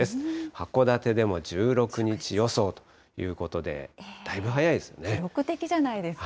函館でも１６日予想ということで、記録的じゃないですか。